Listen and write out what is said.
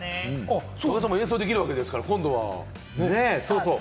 武田さんも演奏できるわけですから、今度。